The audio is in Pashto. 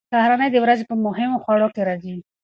سهارنۍ د ورځې په مهمو خوړو کې راځي.